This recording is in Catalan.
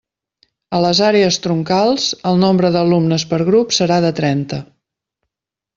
A les àrees troncals, el nombre d'alumnes per grup serà de trenta.